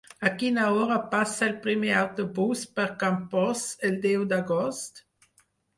A quina hora passa el primer autobús per Campos el deu d'agost?